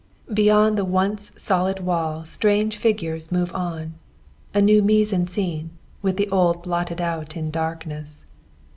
Beyond the once solid wall strange figures move on a new mise en scène, with the old blotted out in darkness.